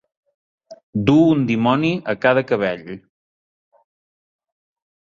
Dur un dimoni a cada cabell.